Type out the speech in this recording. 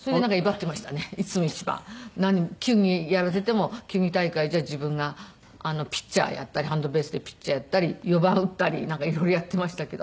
球技やらせても球技大会じゃ自分がピッチャーやったりハンドベースでピッチャーやったり４番を打ったりなんか色々やっていましたけど。